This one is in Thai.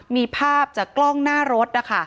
มีภาพจากกล้องหน้ารถนะคะ